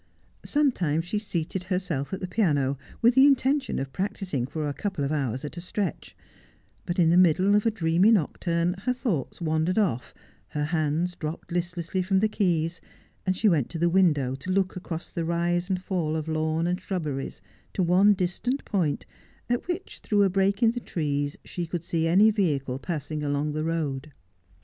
Sometimes she seated herself at the piano with the intention of practising for a couple of hours at a stretch ; but in the middle of a dreamy nocturne her thoughts wandered off, her hands dropped listlessly from the keys, and she went to the window to look across the rise and fall of lawn and shrubberies to one distant point at which, through a break in the trees, she could see any vehicle passing along the road.